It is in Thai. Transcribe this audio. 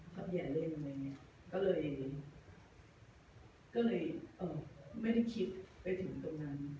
พักใหญ่เล่นอะไรอย่างนี้ก็เลยไม่ได้คิดไปถึงตรงนั้น